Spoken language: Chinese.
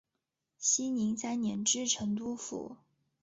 熙宁三年知成都府。